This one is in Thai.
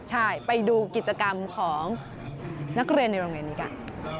ใช่ไปดูกิจกรรมของนักเรียนในโรงเรียนนี้กัน